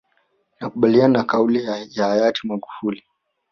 Nakubaliana na kauli ya hayati Magufuli